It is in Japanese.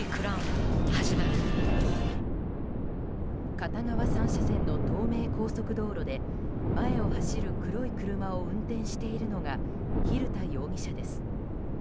片側３車線の東名高速道路で前を走る黒い車を運転しているのが蛭田容疑者です。